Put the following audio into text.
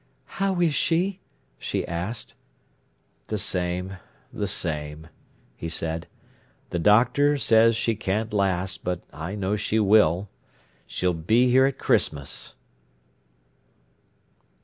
"How is she?" she asked. "The same—the same!" he said. "The doctor says she can't last, but I know she will. She'll be here at Christmas."